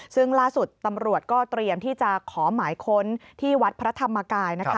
ซึ่งล่าสุดตำรวจก็เตรียมที่จะขอหมายค้นที่วัดพระธรรมกาย